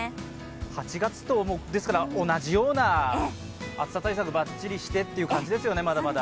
８月と同じような暑さ対策バッチリしてという感じですよね、まだまだ。